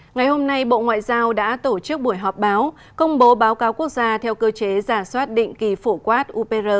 ngày hôm nay bộ ngoại giao đã tổ chức buổi họp báo công bố báo cáo quốc gia theo cơ chế giả soát định kỳ phổ quát upr